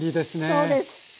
そうです。